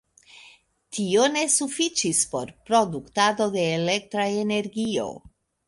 Tio ne sufiĉis por produktado de elektra energio.